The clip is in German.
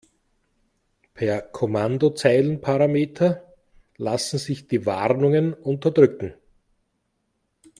Per Kommandozeilenparameter lassen sich die Warnungen unterdrücken.